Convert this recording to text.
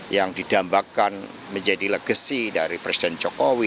yang didambakan menjadi legacy dari presiden jokowi